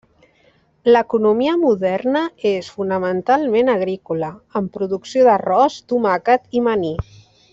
L'economia moderna és fonamentalment agrícola, amb producció d'arròs, tomàquet i maní.